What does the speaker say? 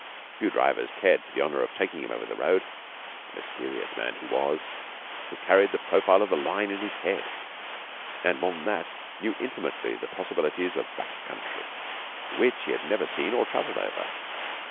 Few drivers cared for the honour of taking him over the road. A mysterious man he was, who 'carried the profile of the line in his head,' and, more than that, knew intimately the possibilities of back country which he had never seen nor travelled over.